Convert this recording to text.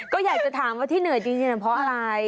ก็อยากจะถามว่าที่เหนื่อยจริงเพราะอะไร